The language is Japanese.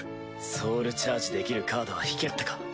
ソウルチャージできるカードは引けなかったか。